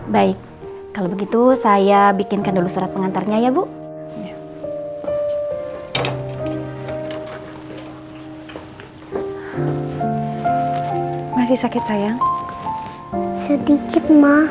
baik kalau begitu saya bikinkan dulu surat pengantarnya ya bu masih sakit saya